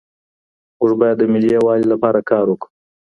موږ بايد د ملي يووالي لپاره کار وکړو.